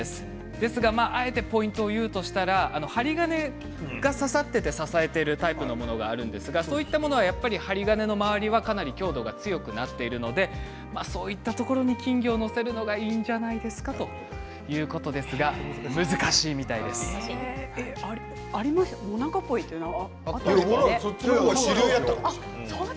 ですがあえてポイントを言うとしたら針金が刺さっていて支えているタイプのものがありますがそれは針金の周りはかなり強度が強くなっているのでそういったところに金魚を乗せるのがいいんじゃないですかということですがモナカポイというのがそちらの方が主流だった。